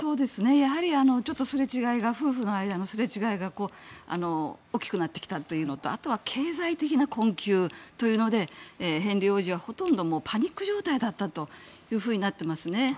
やはり夫婦の間のすれ違いが大きくなってきたというのとあとは経済的な困窮というのでヘンリー王子はほとんどパニック状態だったとなっていますね。